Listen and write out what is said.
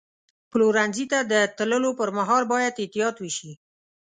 پلورنځي ته د تللو پر مهال باید احتیاط وشي.